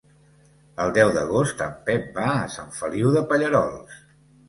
El deu d'agost en Pep va a Sant Feliu de Pallerols.